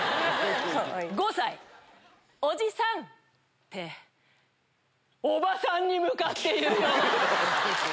５歳「おじさん」っておばさんに向かって言うよ！